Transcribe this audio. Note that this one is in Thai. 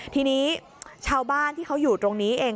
ทีนี้ชาวบ้านที่เขาอยู่ตรงนี้เอง